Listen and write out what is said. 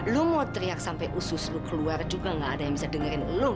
lu mau teriak sampai usus lu keluar juga gak ada yang bisa dengerin lu